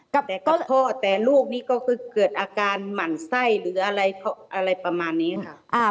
ก็แต่ก็พ่อแต่ลูกนี่ก็คือเกิดอาการหมั่นไส้หรืออะไรประมาณนี้ค่ะ